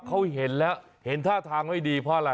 เขาเห็นแล้วเห็นท่าทางไม่ดีเพราะอะไร